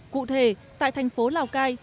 cụ thể tại thành phố lào cai